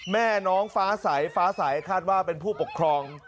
แม่น้องฟ้าใสฟ้าใสคาดว่าเป็นผู้ปกครอง